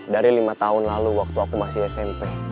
dari lima tahun lalu waktu aku masih smp